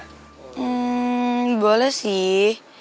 ehm boleh sih